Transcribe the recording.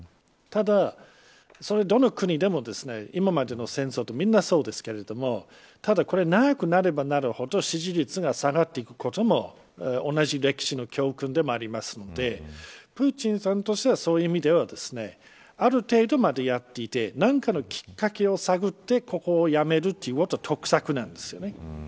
ただ、それ、どの国でも今までの戦争もみんなそうですけどただこれ、長くなればなるほど支持率が下がっていくことも同じ歴史の教訓でもありますのでプーチンさんとしてはそういう意味ではある程度までやっていて何かのきっかけを探ってここをやめるということが得策なんです。